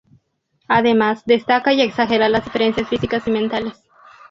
Además, destaca y exagera las diferencias físicas y mentales.